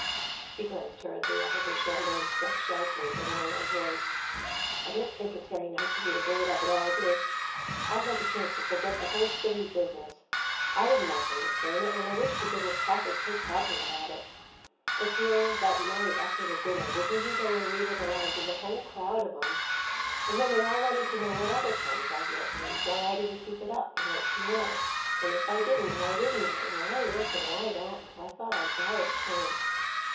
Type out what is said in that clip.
She glanced hurriedly over her shoulder and spoke sharply, but in a low voice: "I don't think it's very nice of you to bring it up at all, Bibbs. I'd like a chance to forget the whole silly business. I didn't want them to frame it, and I wish to goodness papa'd quit talking about it; but here, that night, after the dinner, didn't he go and read it aloud to the whole crowd of 'em! And then they all wanted to know what other poems I'd written and why I didn't keep it up and write some more, and if I didn't, why didn't I, and why this and why that, till I thought I'd die of shame!"